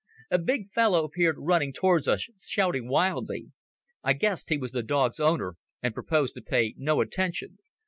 A big fellow appeared running towards us, shouting wildly. I guessed he was the dog's owner, and proposed to pay no attention.